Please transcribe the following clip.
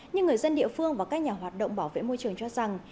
nhưng người dân địa phương và các nhà hoạt động bảo vệ môi trường cho rằng